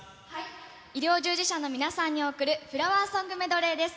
医療従事者の皆さんに送るフラワーソングメドレーです。